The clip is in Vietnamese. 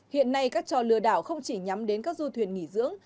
hiện nay các trò lừa đảo không chỉ nhắm đến các du thuyền nghỉ dưỡng